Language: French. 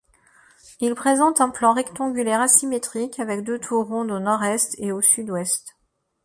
Il présente un plan rectangulaire asymétrique avec deux tours rondes au nord-est et sud-ouest.